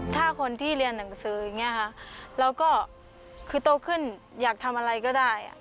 ถ้าคนที่เรียนหนังสืออย่างนี้ค่ะเราก็คือโตขึ้นอยากทำอะไรก็ได้